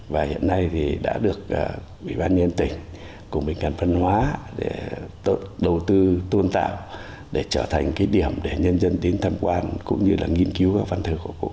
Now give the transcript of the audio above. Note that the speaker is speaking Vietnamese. hiện nay thì đã được ủy ban nhân tỉnh cùng bệnh viện văn hóa để đầu tư tuân tạo để trở thành cái điểm để nhân dân đến tham quan cũng như là nghiên cứu các văn thơ của cụ